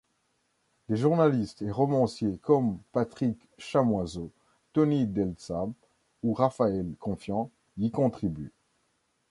Des journalistes et romanciers comme Patrick Chamoiseau, Tony Delsham ou Raphael Confiant y contribuent.